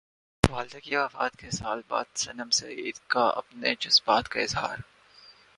والدہ کی وفات کے سال بعد صنم سعید کا اپنے جذبات کا اظہار